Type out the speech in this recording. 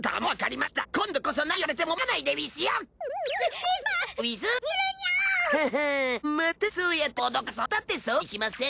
またそうやって脅かそうったってそうはいきません。